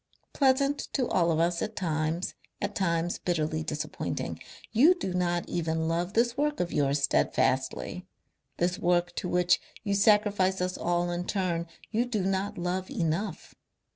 Pleasant to all of us at times at times bitterly disappointing. You do not even love this work of yours steadfastly, this work to which you sacrifice us all in turn. You do not love enough.